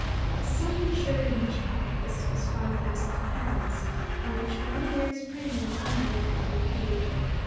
The sum insured in each office was five thousand pounds on which one year's premium only had been paid.